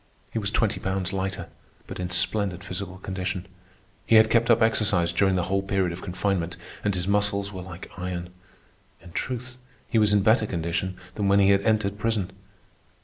He was twenty pounds lighter, but in splendid physical condition. He had kept up exercise during the whole period of confinement, and his muscles were like iron. In truth, he was in better condition than when he had entered prison.